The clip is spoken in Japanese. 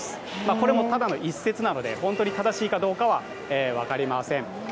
これもただの一説なので、本当に正しいのかどうかは分かりません。